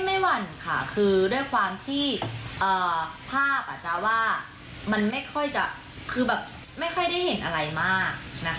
ไม่หวันค่ะคือด้วยความที่พาพอาจจะว่ามันไม่ค่อยได้เห็นอะไรมากนะคะ